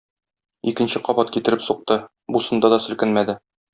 Икенче кабат китереп сукты, бусында да селкенмәде.